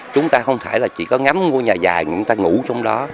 chúng ta không thể là chỉ có ngắm ngôi nhà dài mà chúng ta ngủ trong đó